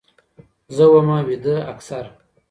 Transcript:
زه ومه ويده اكثر